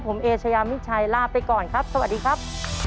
ผมเอเชยามิชัยลาไปก่อนครับสวัสดีครับ